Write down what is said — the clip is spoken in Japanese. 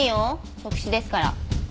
即死ですから。